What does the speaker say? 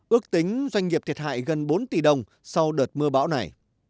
ước tính doanh nghiệp thiệt hại gần bốn tỷ đồng sau đợt mưa bão này